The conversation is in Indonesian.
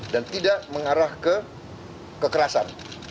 dan tidak mengarah ke kekerasan